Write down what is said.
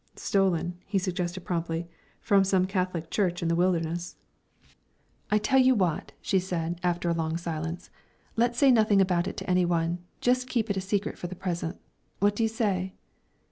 "Stolen," he suggested promptly, "from some Catholic church in the wilderness." "I'll tell you what," she said, after a long silence; "let's say nothing about it to any one just keep it a secret for the present. What do you say?"